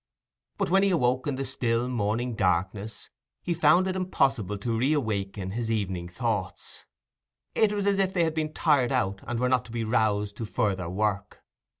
But when he awoke in the still morning darkness he found it impossible to reawaken his evening thoughts; it was as if they had been tired out and were not to be roused to further work.